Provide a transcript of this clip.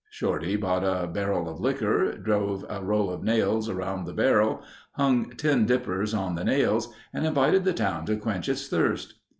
Shorty bought a barrel of liquor, drove a row of nails around the barrel, hung tin dippers on the nails and invited the town to quench its thirst.